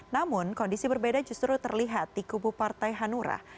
namun kondisi berbeda justru terlihat di kubu partai hanura